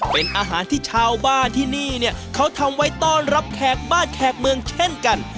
เป็นอาหารที่ชาวบ้านที่นี่เนี่ยเขาทำไว้ต้อนรับแขกบ้านแขกเมืองเช่นกัน